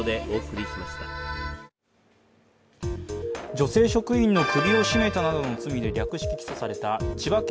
女性職員の首を絞めたなどの罪で略式起訴された千葉県